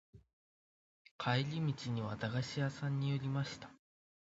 帰り道には駄菓子屋さんに寄りました。